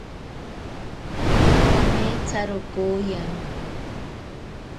Kameetsaro kooya.